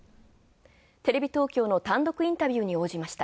テレビ東京の単独インタビューに応じました。